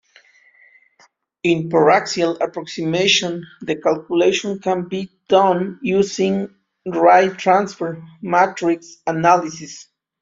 In paraxial approximation, the calculations can be done using ray transfer matrix analysis.